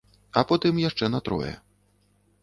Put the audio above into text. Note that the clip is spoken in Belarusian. А потым яшчэ на трое.